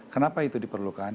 kenapa itu diperlukan